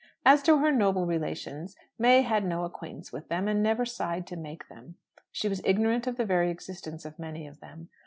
As to her noble relations, May had no acquaintance with them, and never sighed to make it. She was ignorant of the very existence of many of them.